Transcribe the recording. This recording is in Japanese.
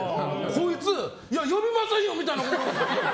こいつ呼びませんよみたいなこと。